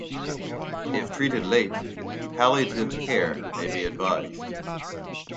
If treated late, palliative care may be advised.